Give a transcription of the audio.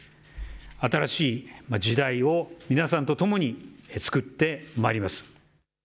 新しい時代を皆さんと共に創ってまいります。